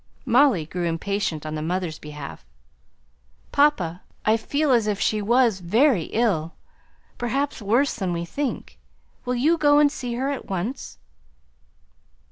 Molly grew impatient on the mother's behalf. "Papa, I feel as if she was very ill; perhaps worse than we think. Will you go and see her at once?"